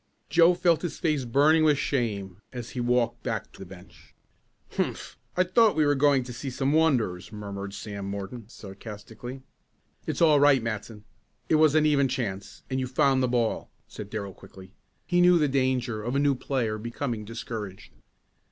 Joe felt his face burning with shame as he walked back to the bench. "Humph! I thought we were going to see some wonders!" murmured Sam Morton sarcastically. "It's all right, Matson it was an even chance, and you found the ball," said Darrell quickly. He knew the danger of a new player becoming discouraged.